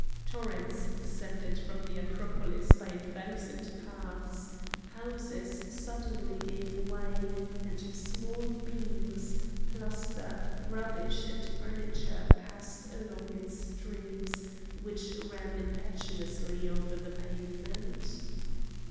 Torrents descended from the Acropolis by a thousand paths; houses suddenly gave way, and small beams, plaster, rubbish, and furniture passed along in streams which ran impetuously over the pavement.